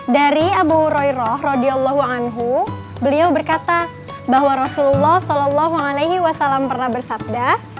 dari abu roiroh rodiallahu anhu beliau berkata bahwa rasulullah saw pernah bersabda